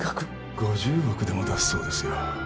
５０億でも出すそうですよ